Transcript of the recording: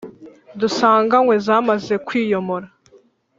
dusanganywe zamaze kwiyomora,